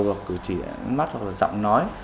hoặc cử chỉ mắt hoặc là giọng nói